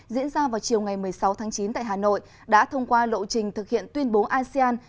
diễn ra vào chiều ngày một mươi sáu tháng chín tại hà nội đã thông qua lộ trình thực hiện tuyên bố asean